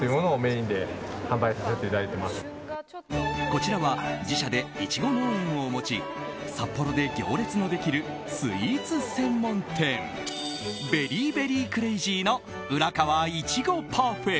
こちらは自社でイチゴ農園を持ち札幌で行列のできるスイーツ専門店ベリーベリークレイジーのうらかわいちごパフェ。